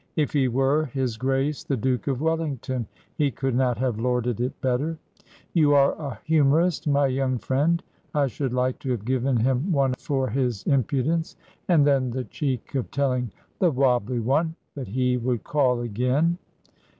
"If he were his Grace the Duke of Wellington, he could not have lorded it better. 'You are a humourist, my young friend.' I should like to have given him one for his impudence! And then the cheek of telling 'the wobbly one' that he would call again."